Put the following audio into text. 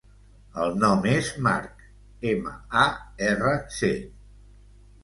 El nom és Marc: ema, a, erra, ce.